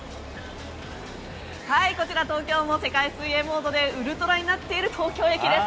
こちら、東京も世界水泳モードでウルトラになっている東京駅です。